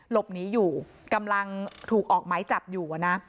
หลบหนีอยู่กำลังถูกออกไหมจับอยู่นะ